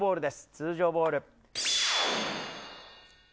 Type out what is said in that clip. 通常ボール。